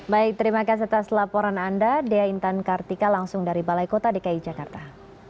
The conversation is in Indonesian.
baik terima kasih atas laporan anda dea intan kartika langsung dari balai kota dki jakarta